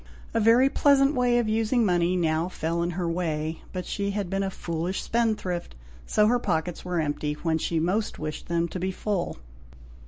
A very pleasant way of using money now fell in her way, but she had been a foolish spendthrift, so her pockets were empty, when she most wished them to be full.